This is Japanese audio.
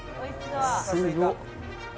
すごっ！